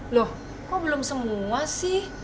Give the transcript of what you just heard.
loh kok belum semua sih